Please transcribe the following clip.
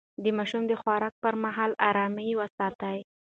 د ماشوم د خوراک پر مهال ارامي وساتئ.